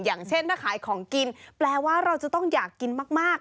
อย่างเช่นถ้าขายของกินแปลว่าเราจะต้องอยากกินมาก